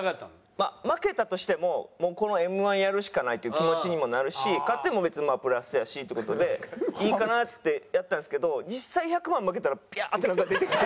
まあ負けたとしてももうこのＭ−１やるしかないっていう気持ちにもなるし勝っても別にプラスやしって事でいいかなってやったんですけど実際１００万負けたらビャーってなんか出てきて。